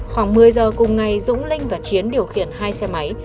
khoảng một mươi giờ cùng ngày dũng linh và chiến điều khiển hai xe máy